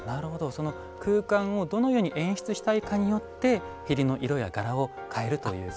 その空間をどのように演出したいかによって縁の色や柄を替えるということなんですね。